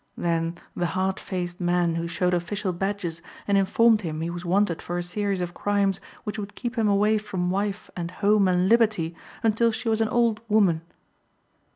Then the hard faced men who showed official badges and informed him he was wanted for a series of crimes which would keep him away from wife and home and liberty until she was an old woman.